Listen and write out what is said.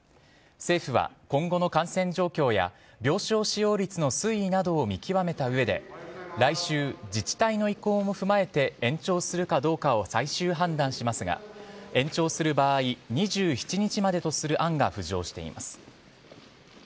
政府は今後の感染状況や病床使用率の推移などを見極めた上で来週、自治体の意向も踏まえて延長するかどうかを最終判断しますが延長する場合２７日までとする案が浮上しています。